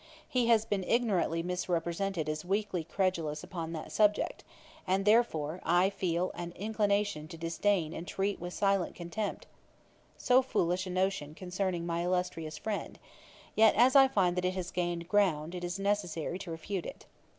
He has been ignorantly misrepresented as weakly credulous upon that subject; and, therefore, though I feel an inclination to disdain and treat with silent contempt so foolish a notion concerning my illustrious friend, yet as I find it has gained ground, it is necessary to refute it.